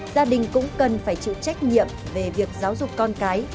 gia đình cũng cần phải chịu trách nhiệm về việc giáo dục con cái